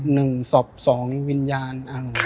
หนึ่งศพสองนี่วิญญาณ